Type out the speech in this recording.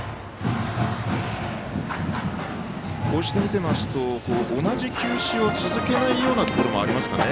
こうしてみて見ますと同じ球種を続けないような面がありますね。